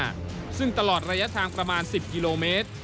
มุ่งหน้าซึ่งตลอดระยะทางประมาณสิบกิโลเมตร